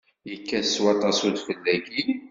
Yekkat s waṭas udfel dagi?